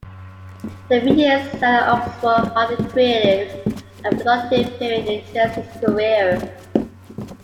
The three years at Oxford marked a creative and productive period in Jenson's career.